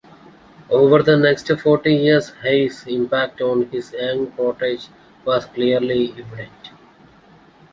Over the next forty years, Hayes' impact on his young protege was clearly evident.